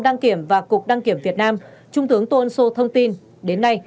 đăng kiểm và cục đăng kiểm việt nam trung tướng tôn sô thông tin đến nay